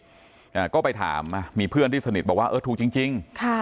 อ่าก็ไปถามอ่ะมีเพื่อนที่สนิทบอกว่าเออถูกจริงจริงค่ะ